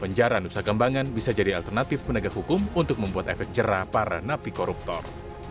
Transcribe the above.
penjara nusa kambangan bisa jadi alternatif penegak hukum untuk membuat efek jerah para napi koruptor